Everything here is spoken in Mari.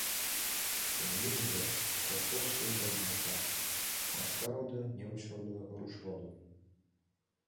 «Коммунизм верч» колхоз кум родым уша: Маскародо, Немычродо, Рушродо.